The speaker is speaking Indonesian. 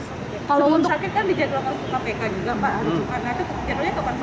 kalau untuk sakit kan dijadwalkan ke kpk juga pak